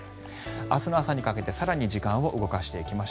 明日の朝にかけて更に時間動かします。